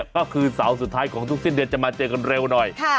ก็คือเสาร์สุดท้ายของทุกสิ้นเดือนจะมาเจอกันเร็วหน่อย